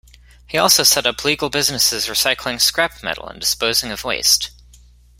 He also set up legal businesses recycling scrap metal and disposing of waste.